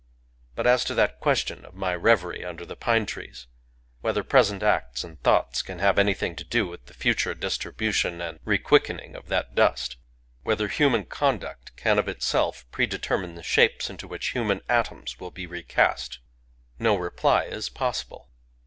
But as to that question of my revery under the pine trees, — whether present acts and thoughts can have anything to do with the future distribu tion and requickening of that dust, — whether hu man conduct can of itself predetermine the shapes into which human atoms will be recast, — no reply is possible.